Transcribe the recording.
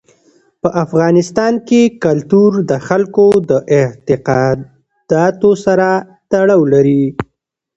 په افغانستان کې کلتور د خلکو د اعتقاداتو سره تړاو لري.